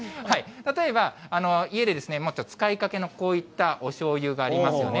例えば、家で使いかけの、こういったおしょうゆがありますよね。